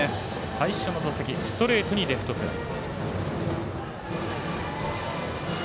最初の打席、ストレートにレフトフライ。